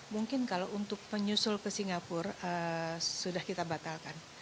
mungkin kalau untuk penyusul ke singapura sudah kita batalkan